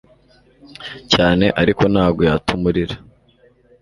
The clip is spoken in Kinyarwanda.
cyane ariko ntago yatuma urira